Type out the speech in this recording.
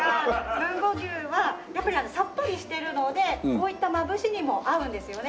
豊後牛はやっぱりあのさっぱりしてるのでこういったまぶしにも合うんですよね。